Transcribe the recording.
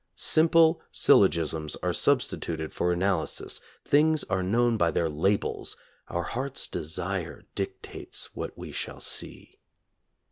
Simple syllo gisms are substituted for analysis, things are known by their labels, our heart's desire dictates what we shall see.